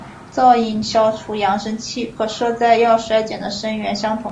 噪音消除扬声器可设在要衰减的声源相同的位置。